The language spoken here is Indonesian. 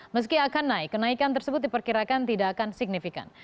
meski akan naik kenaikan tersebut diperkirakan tidak akan signifikan